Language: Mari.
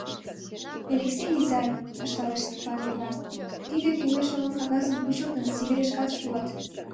— Элексей изай, — ышталеш Стапан Йыван, — тиде кӱлеш-огыл кагазым кучылтын, Сибирьышкат шуат.